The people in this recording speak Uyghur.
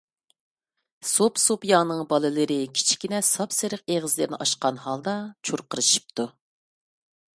سوپىسوپىياڭنىڭ بالىلىرى كىچىككىنە ساپسېرىق ئېغىزلىرىنى ئاچقان ھالدا چۇرقىرىشىپتۇ.